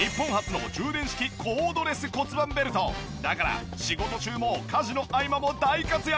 だから仕事中も家事の合間も大活躍！